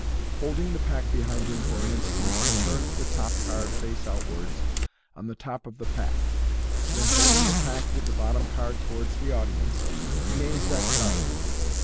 Holding the pack behind him for an instant, he turns the top card face out wards on the top of the pack j then holding the pack with the bottom card towards the audience, he names that card.